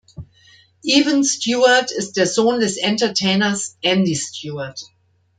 Ewan Stewart ist der Sohn des Entertainers Andy Stewart.